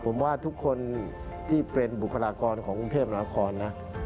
ผมว่าทุกคนที่เป็นบุคลากรของกรุงเทพนครนะ